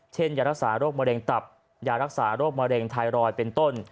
ยารักษาโรคมะเร็งตับยารักษาโรคมะเร็งไทรอยด์เป็นต้น